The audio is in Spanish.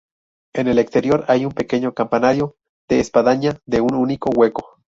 En el exterior hay un pequeño campanario de espadaña de un único hueco.